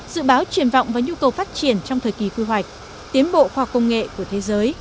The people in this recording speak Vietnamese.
dự báo triển vọng và nhu cầu phát triển trong thời kỳ quy hoạch tiến bộ khoa công nghệ của thế giới